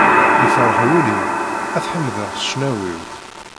Ifreḥ wul-iw, ad t-ḥemdeɣ s ccnawi-w.